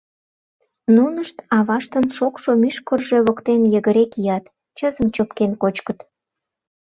Нунышт аваштын шокшо мӱшкыржӧ воктен йыгыре кият, чызым чопкен кочкыт.